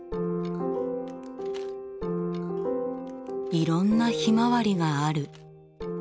いろんなひまわりがある。